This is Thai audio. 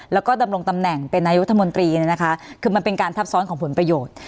แล้วก็ดำรงตำแหน่งเป็นนายุทธมนตรีเนี่ยนะคะคือมันเป็นการทับซ้อนของผลประโยชน์